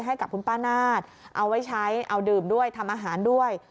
ให้กับคุณป้านาฏเอาไว้ใช้เอาดื่มด้วยทำอาหารด้วย